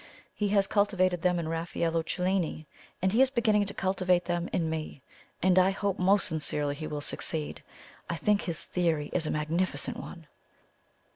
He has cultivated them in Raffaello Cellini, and he is beginning to cultivate them in me, and I hope most sincerely he will succeed. I think his theory is a magnificent one!"